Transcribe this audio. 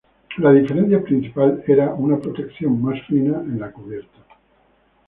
La diferencia principal era una protección más fina en la cubierta.